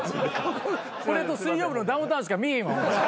これと『水曜日のダウンタウン』しか見いひんわ。